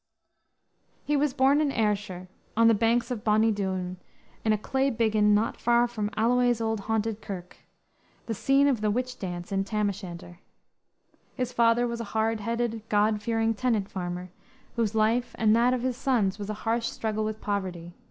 He was born in Ayrshire, on the banks of "bonny Doon," in a clay biggin not far from "Alloway's auld haunted kirk," the scene of the witch dance in Tam O'Shanter. His father was a hard headed, God fearing tenant farmer, whose life and that of his sons was a harsh struggle with poverty.